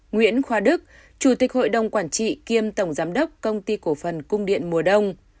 nguyễn khoa đức chủ tịch hội đồng quản trị kiêm tổng giám đốc công ty cổ phần cung điện mùa đông